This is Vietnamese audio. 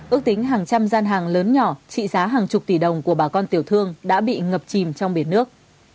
ước tính hàng trăm gian hàng lớn nhỏ trị giá hàng chục tỷ đồng của bà con tiểu thương đã bị ngập chìm trong biển nước